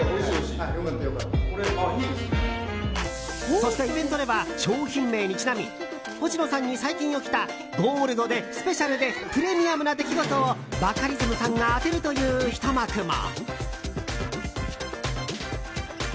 そして、イベントでは商品名にちなみ星野さんに最近起きたゴールドでスペシャルでプレミアムな出来事をバカリズムさんが当てるというひと幕も。